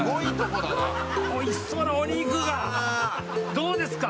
どうですか？